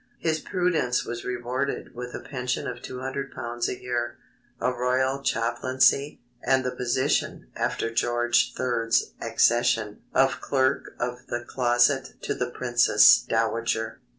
His prudence was rewarded with a pension of £200 a year, a Royal Chaplaincy, and the position (after George III.'s accession) of Clerk of the Closet to the Princess Dowager.